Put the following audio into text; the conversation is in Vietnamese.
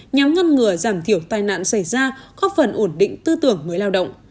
nhằm ngăn ngừa giảm thiểu tai nạn xảy ra góp phần ổn định tư tưởng người lao động